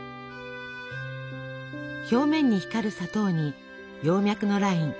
表面に光る砂糖に葉脈のライン。